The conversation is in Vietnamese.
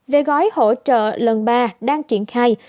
về gói hỗ trợ lần ba đang triển khai